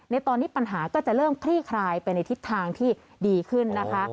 ในตอนนี้ปัญหาก็จะเริ่มคลี่คลายไปในทิศทางที่ดีขึ้นนะคะ